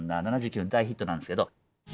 ７９年の大ヒットなんですけど。